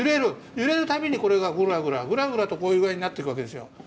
揺れる度にこれがグラグラグラグラとこういう具合になっていくわけですよ。